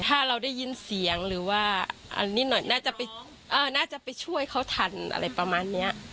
ถ้าเราได้ยินเสียงหรือว่านิดหน่อยน่าจะไปช่วยเขาทันอะไรประมาณนี้